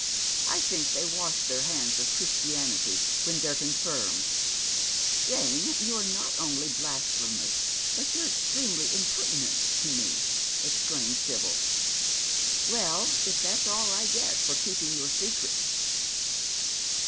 I think they wash their hands of Chris tianity when they're confirmed." "Jane, you are not only blasphemous, but you're eitremely impertinent to me" exclaims Sibyl. " Well, if that's all I get for keeping your secrets